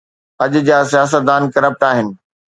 اڄ جا سياستدان ڪرپٽ آهن